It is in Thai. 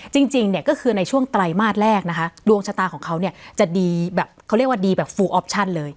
จริงเนี่ยก็คือในช่วงไตรมาสแรกนะคะดวงชะตาของเขาเนี่ยจะดีแบบเขาเรียกว่าดีแบบฟูออปชั่นเลย